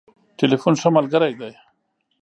ټليفون ښه ملګری دی.